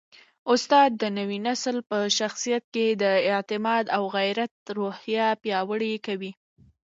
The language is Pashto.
استاد د نوي نسل په شخصیت کي د اعتماد او غیرت روحیه پیاوړې کوي.